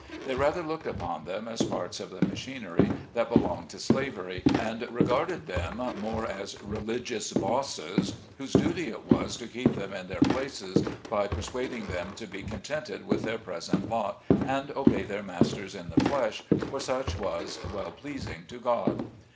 They rather looked upon them as parts of the machinery that belonged to slavery, and regarded them more as religious bosses, whose duty it was to keep them in their places by persuading them to be contented with their present lot and obey their masters in the flesh, for such was well pleasing to God.